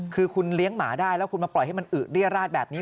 คือคุณเลี้ยงหมาได้แล้วคุณมาปล่อยให้มันอึเรียราชแบบนี้